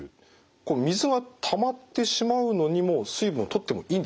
水はたまってしまうのにもう水分をとってもいいんですか？